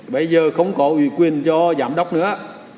bây giờ không có ủy quyền cho giám đốc nữa